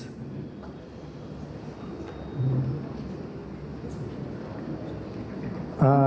coba seolah jelaskan